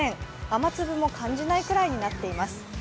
雨粒も感じないぐらいになっています。